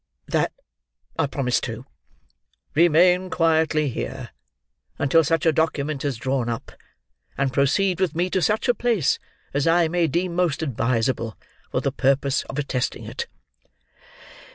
"That I promise too." "Remain quietly here, until such a document is drawn up, and proceed with me to such a place as I may deem most advisable, for the purpose of attesting it?"